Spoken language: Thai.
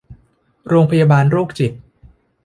โรงพยาบาลโรคจิต